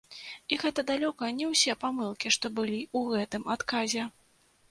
І гэта далёка не ўсе памылкі, што былі ў гэтым адказе.